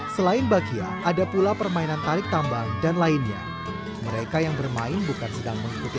selain bakia ada pula permainan tarik tambang dan lainnya mereka yang bermain bukan sedang mengikuti